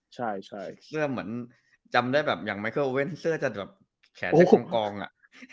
ใช่ใช่เสื้อเหมือนจำได้แบบอย่างเสื้อจะแบบแขนเสียงกองกองอ่ะ